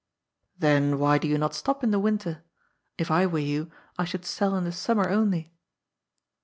" Then why do you not stop in the winter? If I were you, I should sell in the summer only."